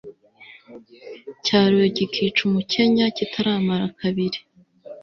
cyaroye kikica umukenya kitaramara kabiri